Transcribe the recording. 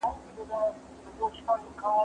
که وخت وي، ږغ اورم!.